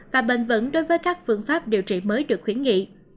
và bền vững đối với các phương pháp điều trị mới được khuyến nghị